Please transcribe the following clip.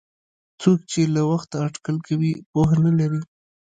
څوک چې له وخته اټکل کوي پوهه نه لري.